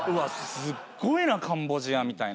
すごいなカンボジアみたいな。